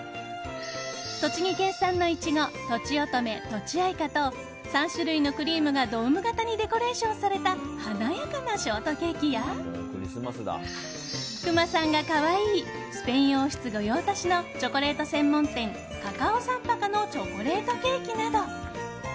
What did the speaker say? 栃木県産のイチゴとちおとめ、とちあいかと３種類のクリームがドーム形にデコレーションされた華やかなショートケーキやクマさんが可愛いスペイン王室御用達のチョコレート専門店カカオサンパカのチョコレートケーキなど。